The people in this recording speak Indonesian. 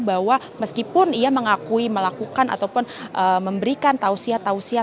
bahwa meskipun ia mengakui melakukan ataupun memberikan tausia tausia